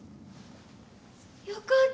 よかった！